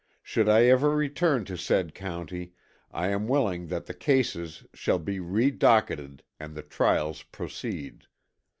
Should I ever return to said county I am willing that the cases shall be redocketed and the trials proceed.